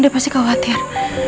dia pasti khawatir